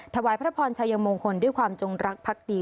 ถวายพระพรชัยมงคลด้วยความจงรักพักดี